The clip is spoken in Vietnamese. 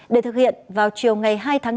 để thực hiện vào chiều ngày hai tháng năm